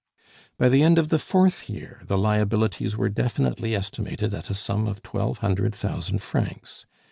By the end of the fourth year the liabilities were definitely estimated at a sum of twelve hundred thousand francs.